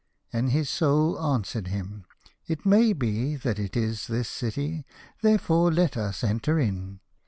" And his Soul answered him, "It may be that it is this city, therefore let us enter in."